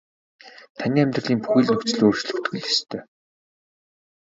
Таны амьдралын бүхий л нөхцөл өөрчлөгдөх л ёстой.